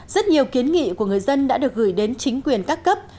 rất nhiều kiến nghị của người dân đã được gửi đến chính quyền các cấp